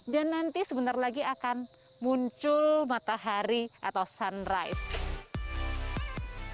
dan nanti sebentar lagi akan muncul matahari atau sunrise